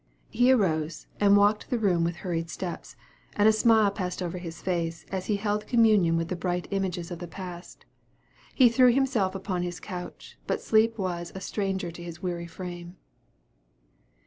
He arose, and walked the room with hurried steps, and a smile passed over his face, as he held communion with the bright images of the past. He threw himself upon his couch, but sleep was a stranger to his weary frame.